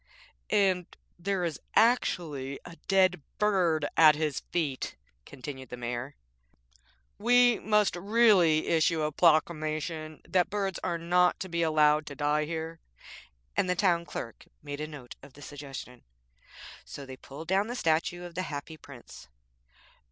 'And there is actually a dead bird at his feet,' continued the Mayor. 'We must really issue a proclamation that birds are not to be allowed to die here.' And the Town Clerk made a note of the suggestion. So they pulled down the statue of the Happy Prince.